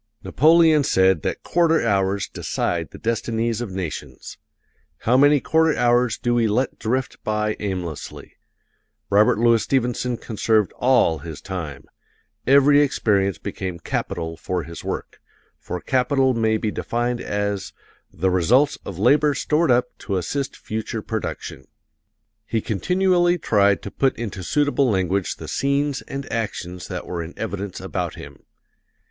Napoleon said that quarter hours decide the destinies of nations. How many quarter hours do we let drift by aimlessly! Robert Louis Stevenson conserved all his time; every experience became capital for his work for capital may be defined as "the results of labor stored up to assist future production." He continually tried to put into suitable language the scenes and actions that were in evidence about him.